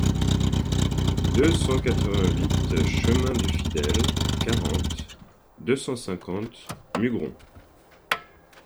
deux cent quatre-vingt-huit chemin du Fidel, quarante, deux cent cinquante, Mugron